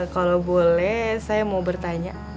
kalau boleh saya mau bertanya